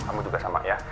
kamu juga sama ya